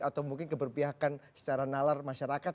atau mungkin keberpihakan secara nalar masyarakat